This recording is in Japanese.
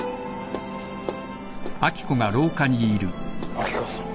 明子さん。